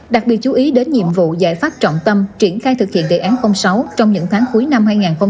đặc biệt chú ý đến nhiệm vụ giải pháp trọng tâm triển khai thực hiện đề án sáu trong những tháng cuối năm hai nghìn hai mươi